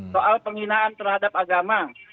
soal penghinaan terhadap agama